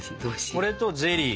これとゼリー。